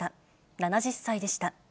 ７０歳でした。